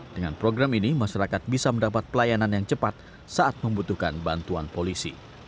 dengan program ini masyarakat bisa mendapat pelayanan yang cepat saat membutuhkan bantuan polisi